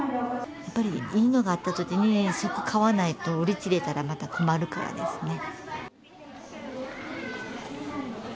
やっぱりいいのがあった時に即買わないと売り切れたらまた困るからですね